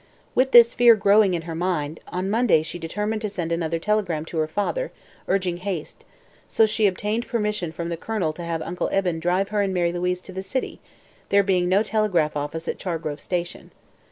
With this fear growing in her mind, on Monday she determined to send another telegram to her father, urging haste, so she obtained permission from the Colonel to have Uncle Eben drive her and Mary Louise to the city, there being no telegraph office at Chargrove Station.